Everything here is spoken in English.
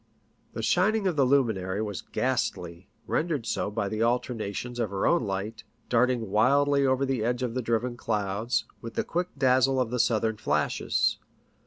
The shining of the luminary was ghastly, rendered so by the alternations of her own light, darting wildly over the edge of the driven clouds, with the quick dazzle of the southern flashes.